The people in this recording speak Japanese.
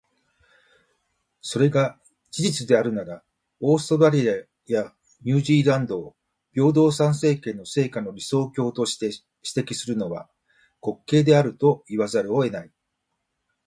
それが事実であるなら、オーストラリアやニュージーランドを平等参政権の成果の理想郷として指摘するのは、滑稽であると言わざるを得ない。